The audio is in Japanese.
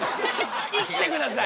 生きてください！